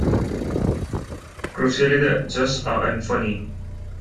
Crucially, they just aren't funny'.